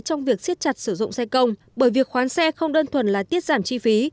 trong việc siết chặt sử dụng xe công bởi việc khoán xe không đơn thuần là tiết giảm chi phí